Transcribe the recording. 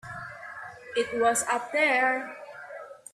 It was up there.